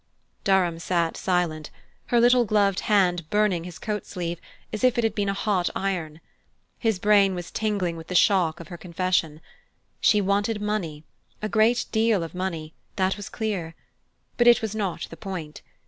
Durham sat silent, her little gloved hand burning his coat sleeve as if it had been a hot iron. His brain was tingling with the shock of her confession. She wanted money, a great deal of money: that was clear, but it was not the point.